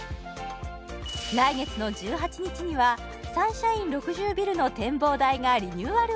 来月の１８日にはサンシャイン６０ビルの展望台がリニューアル